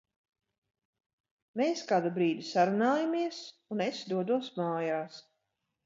Mēs kādu brīdi sarunājamies, un es dodos mājās.